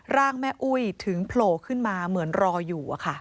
ร่างแม่อุ้ยถึงโผล่ขึ้นมาเหมือนรออยู่